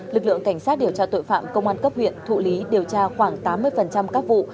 lực lượng cảnh sát điều tra tội phạm công an cấp huyện thụ lý điều tra khoảng tám mươi các vụ